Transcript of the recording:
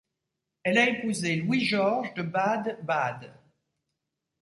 Elle a épousé Louis-Georges de Bade-Bade.